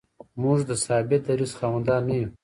موږ د ثابت دریځ خاوندان نه یو.